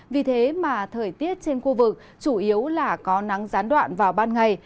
vì thế mà thời tiết trên khu vực chủ yếu là có nắng gián đoạn vào ban ngày